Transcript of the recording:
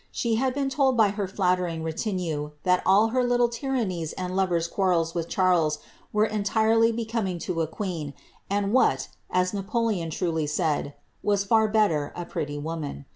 She told by her flattering retinue, that all her litde tyrannies and larrels with Charles were entirely becoming to a queen, and Efapoleon truly said) was fer better, a pretty woman.